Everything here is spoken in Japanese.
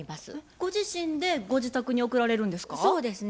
ご自身でご自宅に送られるんですか？